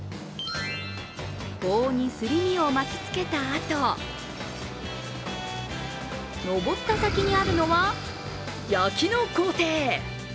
棒にすり身を巻きつけたあと上った先にあるのは焼きの工程。